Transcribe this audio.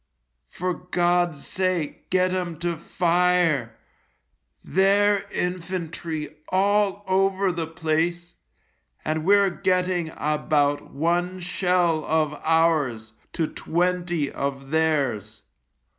For God's sake get 'em to fire. Their infantry all over the place, and we're getting about one shell of ours to twenty of theirs.